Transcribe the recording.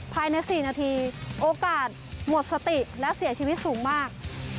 ภายใน๔นาทีโอกาสหมดสติและเสียชีวิตสูงมาก